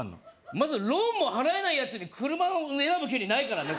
まずローンも払えない奴に車を選ぶ権利ないからね